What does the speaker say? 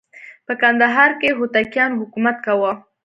په کندهار کې هوتکیانو حکومت کاوه.